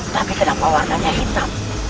tapi kenapa warnanya hitam